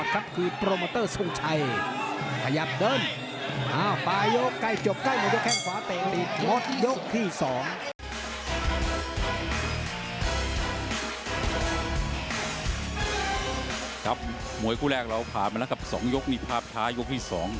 ครับมวยนะคะว่าว่าเราพามากับสองยกนี้ขาบท้ายกที่สอง